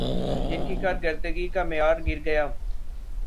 جن کی کارکردگی کا معیار گرگیا